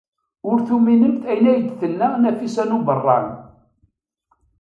Ur tuminemt ayen ay d-tenna Nafisa n Ubeṛṛan.